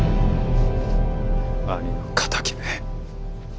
兄の敵め。